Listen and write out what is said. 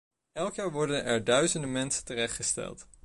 Elk jaar worden er duizenden mensen terechtgesteld.